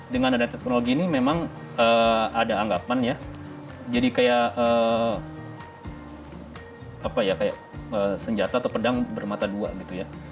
dengan adanya teknologi ini memang ada anggapan ya jadi kayak apa ya kayak senjata atau pedang bermata dua gitu ya